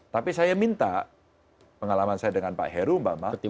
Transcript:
tapi saya minta pengalaman saya dengan pak heru mbak